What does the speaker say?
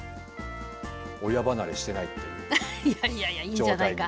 親離れしてないっていう状態に。